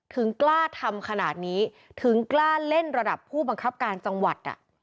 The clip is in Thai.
ถึงกล้าทำขนาดนี้ถึงกล้าเล่นระดับผู้บังคับการจังหวัด